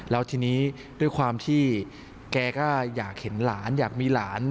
แล้วทีนี้ด้วยความที่แกก็อยากเห็นหลานอยากมีหลาน